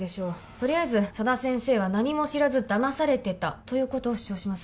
とりあえず佐田先生は何も知らず騙されてたということを主張します